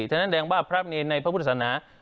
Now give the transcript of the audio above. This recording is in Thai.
ฉะนั้นแดงว่าพระธรรมวินัยในพระพุทธศาสนา